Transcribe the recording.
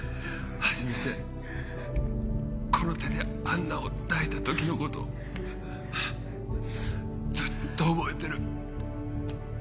初めてこの手でアンナを抱いた時のことをずっと覚えてる。